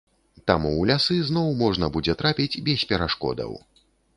Таму ў лясы зноў можна будзе трапіць без перашкодаў.